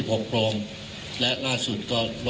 คุณผู้ชมไปฟังผู้ว่ารัฐกาลจังหวัดเชียงรายแถลงตอนนี้ค่ะ